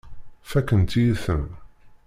Fakkent-iyi-ten.